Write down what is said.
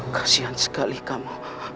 kasian sekali kamu